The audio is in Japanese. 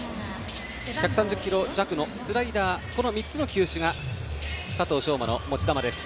１３０キロ弱のスライダーこの３つの球種が佐藤奨真の持ち球です。